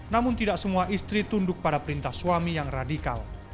namun tidak semua istri tunduk pada perintah suami yang radikal